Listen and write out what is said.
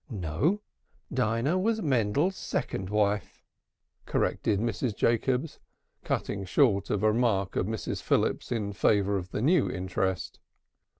"No, Dinah was Mendel's second wife," corrected Mrs. Jacobs, cutting short a remark of Mrs. Phillips's in favor of the new interest.